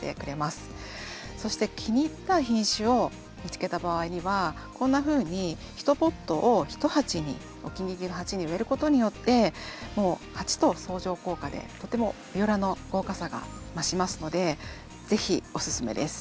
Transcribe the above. そして気に入った品種を見つけた場合にはこんなふうにお気に入りの鉢に植えることによってもう鉢と相乗効果でとてもビオラの豪華さが増しますので是非オススメです。